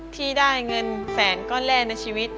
ที่ได้เงินแสนก้อนแรกในชีวิต